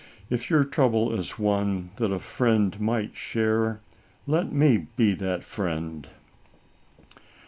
If your trouble is one that a friend might share, let me be that friend.